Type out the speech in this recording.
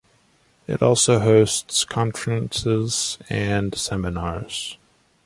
It also hosts conferences and seminars.